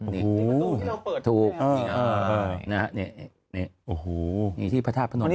นี่ถูกนะฮะนี่นี่นี่พระธาตุพระนม